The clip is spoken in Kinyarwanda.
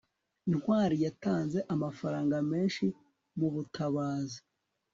ntwali yatanze amafaranga menshi mubutabazi